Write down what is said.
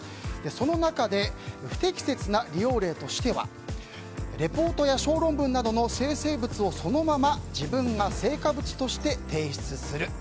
その中で不適切な利用例としてはレポートや小論文などの生成物をそのまま自分が成果物として提出する。